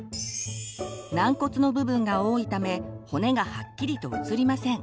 軟骨の部分が多いため骨がはっきりと写りません。